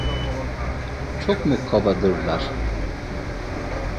Çok mu kabadırlar?